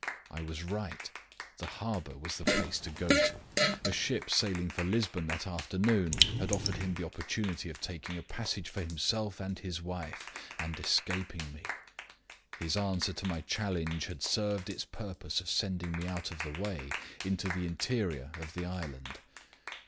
I was right; the harbor was the place to go to. A ship sailing for Lisbon that afternoon had offered him the opportunity of taking a passage for himself and his wife, and escaping me. His answer to my challenge had served its purpose of sending me out of the way into the interior of the island.